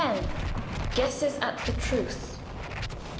GUESSES AT THE TRUTH.